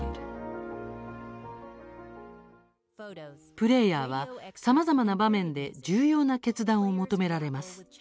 プレーヤーはさまざまな場面で重要な決断を求められます。